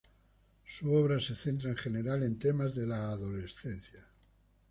Su obra se centra en general en temas de la adolescencia.